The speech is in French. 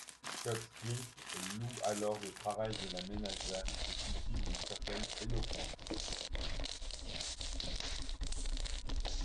Scholtz-Klink loue alors le travail de la ménagère et cultive une certaine éloquence.